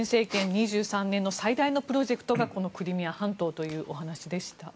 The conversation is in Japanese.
２３年の最大のプロジェクトがこのクリミア半島というお話でした。